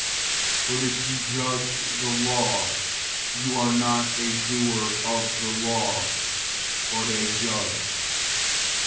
But if you judge the law, you are not a doer of the law, but a judge.